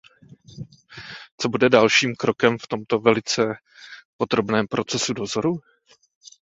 Co bude dalším krokem v tomto velice podrobném procesu dozoru?